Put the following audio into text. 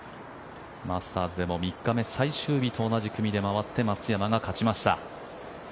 マスターズでも３日目、最終日と同じ組で回って松山が勝ちました。